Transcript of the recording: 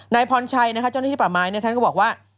นายพรชัยเจ้าหน้าที่ป่าไม้ท่านก็บอกว่า